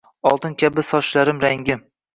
Oltin kabi sochlarim rangi